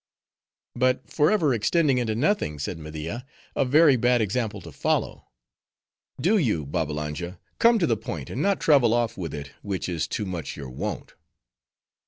"But forever extending into nothing," said Media. "A very bad example to follow. Do you, Babbalanja, come to the point, and not travel off with it, which is too much your wont."